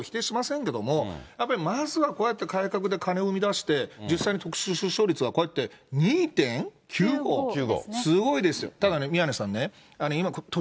国債発行を否定しませんけれども、やっぱりまずはこうやって改革で金を生み出して、実際に特殊出生率が２．９５、すごいですよ。